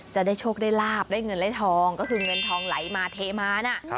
จะได้โชคได้ลาบได้เงินได้ทองก็คือเงินทองไหลมาเทมานะ